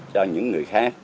cho những người khác